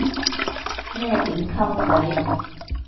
咩點溝仔